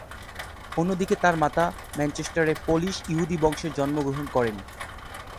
অন্যদিকে তার মাতা ম্যানচেস্টারে পোলিশ ইহুদি বংশে জন্মগ্রহণ করেন।